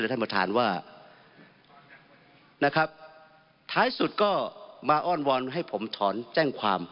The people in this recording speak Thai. ท่านประธานว่านะครับท้ายสุดก็มาอ้อนวอนให้ผมถอนแจ้งความ